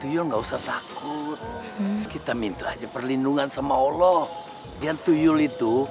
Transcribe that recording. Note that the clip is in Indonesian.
ya nggak usah takut kita minta aja perlindungan sama allah yang tuyul itu